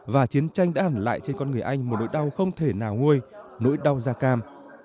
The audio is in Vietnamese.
và chiến tranh đã hẳn lại trên con người anh một nỗi đau không thể nào nguôi nỗi đau da cam